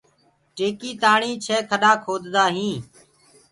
ٽيڪيٚ تآڻي ڇي کڏآ کودآ هينٚ